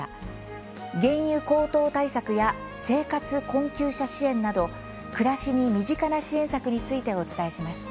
原油高騰対策や生活困窮者支援など暮らしに身近な支援策についてお伝えします。